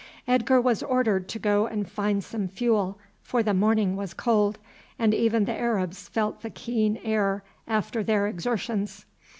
Edgar was ordered to go and find some fuel, for the morning was cold, and even the Arabs felt the keen air after their exertions.